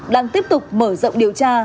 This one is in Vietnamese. đang tiếp tục mở rộng điều tra